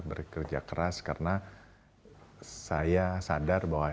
bekerja keras karena saya sadar bahwa